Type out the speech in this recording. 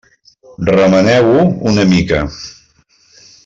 Remeneu-ho una mica.